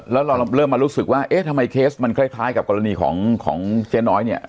แล้วเราเริ่มมารู้สึกว่าเอ๊ะทำไมเคสมันคล้ายกับกรณีของเจ๊น้อยเนี่ย